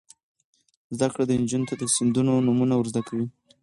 زده کړه نجونو ته د سیندونو نومونه ور زده کوي.